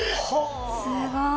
すごい。